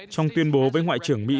trong tuyên bố với ngoại trưởng mỹ